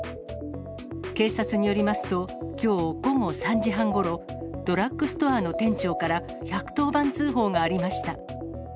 警察によりますと、きょう午後３時半ごろ、ドラッグストアの店長から１１０番通報がありました。